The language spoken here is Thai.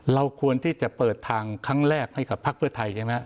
เราควรที่จะเปิดทางครั้งแรกให้กับพักเพื่อไทยใช่ไหม